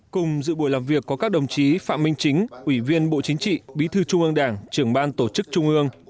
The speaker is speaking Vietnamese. cùng dự buổi làm việc có các đồng chí phạm minh chính ủy viên bộ chính trị bí thư trung ương đảng trưởng ban tổ chức trung ương